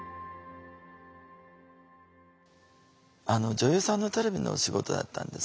女優さんのテレビのお仕事だったんです。